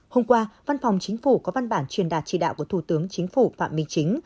hôm qua văn phòng chính phủ có văn bản truyền đạt chỉ đạo của thủ tướng chính phủ phạm minh chính